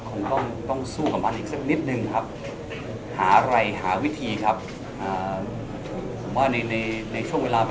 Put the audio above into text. เราจะเก่งขึ้นมาทันทีครับเพราะฉะนั้นลองดูครับอีกสักหน่อยครับ